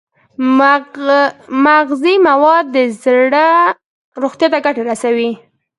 مغذي مواد د زړه روغتیا ته ګټه رسوي.